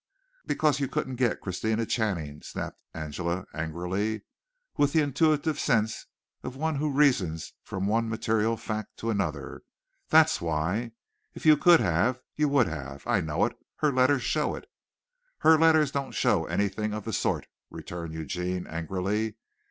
"Because you couldn't get Christina Channing," snapped Angela, angrily, with the intuitive sense of one who reasons from one material fact to another, "that's why. If you could have, you would have. I know it. Her letters show it." "Her letters don't show anything of the sort," returned Eugene angrily.